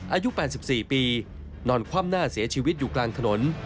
อายุ๘๔ปีนอนคว่ำหน้าเสียชีวิตอยู่กลางถนน